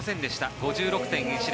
５６．１０。